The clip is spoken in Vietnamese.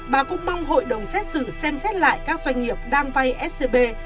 bà cũng mong hội đồng xét xử xem xét lại các doanh nghiệp đang vay scb